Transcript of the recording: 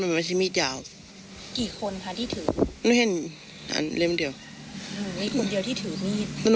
มีคนเดียวที่ถือมีต